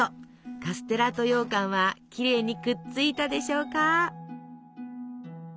カステラとようかんはきれいにくっついたでしょうか？